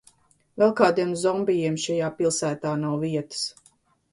Vēl kādiem zombijiem šajā pilsētā nav vietas!